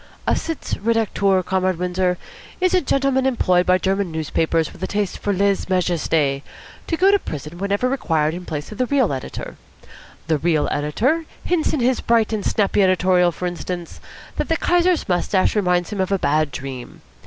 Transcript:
"A sitz redacteur, Comrade Windsor, is a gentleman employed by German newspapers with a taste for lèse majesté to go to prison whenever required in place of the real editor. The real editor hints in his bright and snappy editorial, for instance, that the Kaiser's moustache reminds him of a bad dream.